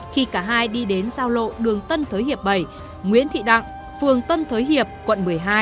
khi cả hai đi đến giao lộ đường tân thới hiệp bảy nguyễn thị đặng phường tân thới hiệp quận một mươi hai